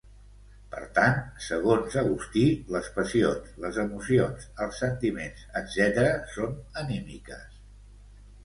Per tant, segons Agustí, les passions, les emocions, els sentiments, etcètera, són anímiques.